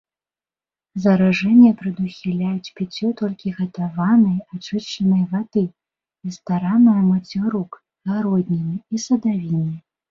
Заражэнне прадухіляюць піццё толькі гатаванай ачышчанай вады і стараннае мыццё рук, гародніны і садавіны.